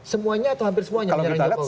semuanya atau hampir semuanya jalan jokowi